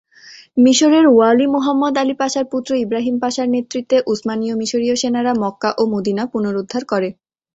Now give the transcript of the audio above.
মিশরের ওয়ালি Muhammad Ali পাশার পুত্র ইবরাহিম পাশার নেতৃত্বে উসমানীয়-মিশরীয় সেনারা মক্কা ও মদিনা পুনরুদ্ধার করে।